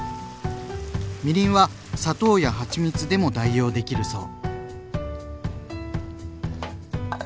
みりんは砂糖やはちみつでも代用できるそう。